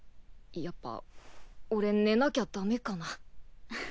やっぱ俺寝なきゃダメかな？